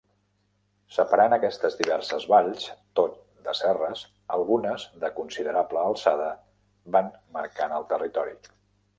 Separant aquestes diverses valls, tot de serres, algunes de considerable alçada, van marcant el territori.